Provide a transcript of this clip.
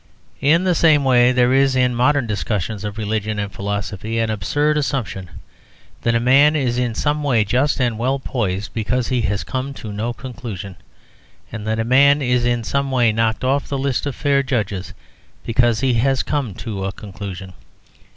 In the same way, there is in modern discussions of religion and philosophy an absurd assumption that a man is in some way just and well poised because he has come to no conclusion; and that a man is in some way knocked off the list of fair judges because he has come to a conclusion.